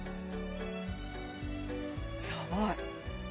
やばい